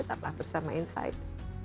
kita akan lanjutkan bersama insight